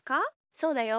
そうだよ。